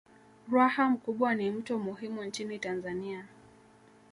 Ruaha Mkubwa ni mto muhimu nchini Tanzania